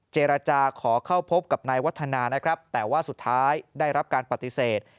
เจรจาขอเข้าพบกับนายวัฒนานะครับแต่ว่าสุดท้ายได้รับการปฏิเสธ